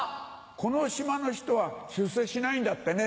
この島の人は出世しないんだってね。